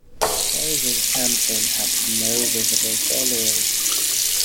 Fraser's campaign had no visible followers.